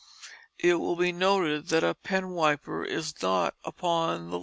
It will be noted that a penwiper is not upon the list.